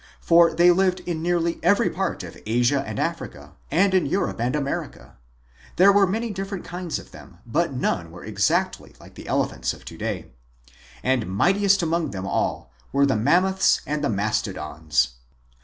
For they lived in nearly every part of Asia and Africa and in Europe and America. There were many different kinds of them, but none were exactly like the elephants of to day. And mightiest among them all were the Mammoths and the Mastodons.